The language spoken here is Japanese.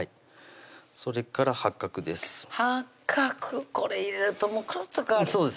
それから八角です